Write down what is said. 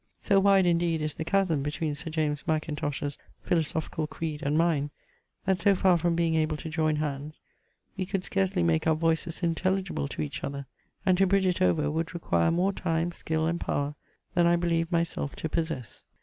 So wide indeed is the chasm between Sir James Mackintosh's philosophical creed and mine, that so far from being able to join hands, we could scarcely make our voices intelligible to each other: and to bridge it over would require more time, skill, and power than I believe myself to possess.